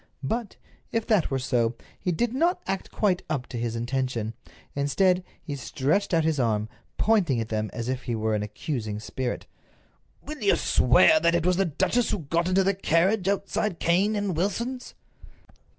But, if that were so, he did not act quite up to his intention. Instead, he stretched out his arm, pointing at them as if he were an accusing spirit: "Will you swear that it was the duchess who got into the carriage outside Cane and Wilson's?"